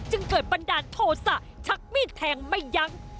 จึงเกิดบันดาลโทษะชักมีดแทงไม่ยั้ง